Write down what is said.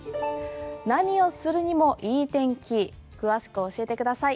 何をするにも良い天気詳しく教えてください。